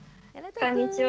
こんにちは。